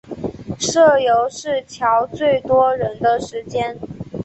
社游是乔最多人的时间